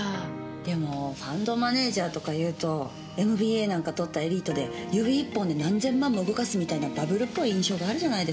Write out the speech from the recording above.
でもファンドマネージャーとかいうとＭＢＡなんか取ったエリートで指一本で何千万も動かすみたいなバブルっぽい印象があるじゃないですか。